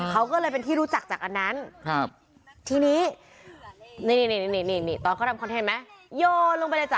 เขาก็เลยเป็นที่รู้จักจากอันนั้นทีนี้นี่ตอนเขาทำคอนเทนต์ไหมโยนลงไปเลยจ้